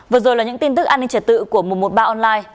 vừa rồi là những tin tức an ninh trật tự của một trăm một mươi ba online